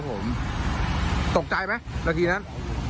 มันมามาอ๋อตกใจไหมสักครู่นั้น